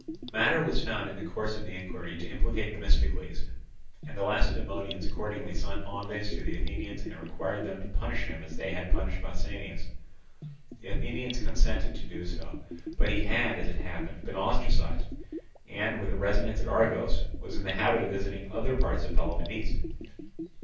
Matter was found in the course of the inquiry to implicate Themistocles; and the Lacedaemonians accordingly sent envoys to the Athenians and required them to punish him as they had punished Pausanias. The Athenians consented to do so. But he had, as it happened, been ostracized, and, with a residence at Argos, was in the habit of visiting other parts of Peloponnese.